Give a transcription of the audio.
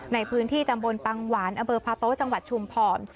ในพื้นที่ตำบลปังหวานอำเภอพาโต๊ะจังหวัดชุมพร